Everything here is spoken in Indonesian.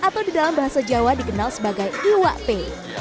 nasi yang sejauh dikenal sebagai iwak pe